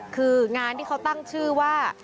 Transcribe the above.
คืองานที่เขาตั้งชื่อว่า